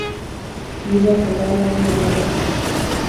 رزق حلال عین عبادت ہے